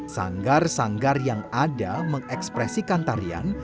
sanggar sanggar yang ada mengekspresikan tarian